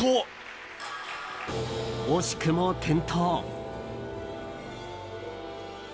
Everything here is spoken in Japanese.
惜しくも転倒。